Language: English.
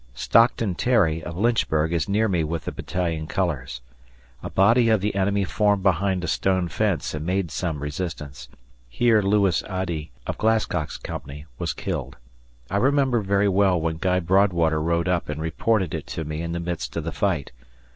Stockton Terry, of Lynchburg, is near me with the battalion colors. A body of the enemy formed behind a stone fence and made some resistance. Here Lewis Adie, of Glasscock's company, was killed. I remember very well when Guy Broadwater rode up and reported it to me in the midst of the fight.